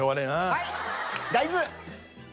はい！